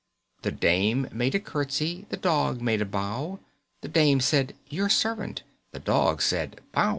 The Dame made a curtsey, The Dog made a bow; The Dame said, "Your servant;" The Dog said, "Bow wow!"